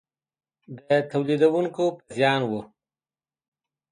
د تولیدوونکو پر زیان و.